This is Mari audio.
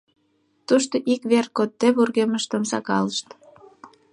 Тушто ик вер кодде вургемыштым сакалышт.